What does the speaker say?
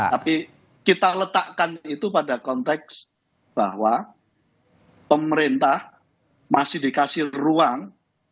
tapi kita letakkan itu pada konteks bahwa pemerintah masih dikasih ruang